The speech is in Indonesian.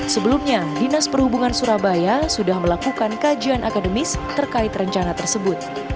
sebelumnya dinas perhubungan surabaya sudah melakukan kajian akademis terkait rencana tersebut